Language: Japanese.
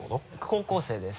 高校生です。